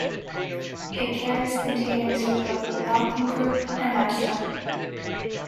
It carries containers for both the Malcolm Group and Asda.